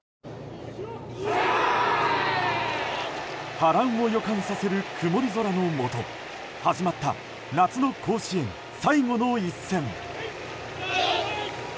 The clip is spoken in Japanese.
波乱を予感させる曇り空のもと始まった夏の甲子園最後の一戦。